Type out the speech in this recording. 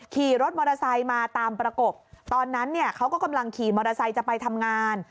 ขี่รถมอเตอร์ไซค์มาตามประกบตอนนั้นเนี่ยเขาก็กำลังขี่มอเตอร์ไซค์จะไปทำงาน